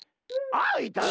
あいたい。